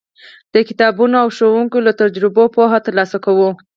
د کتابونو او ښوونکو له تجربو پوهه ترلاسه کوو.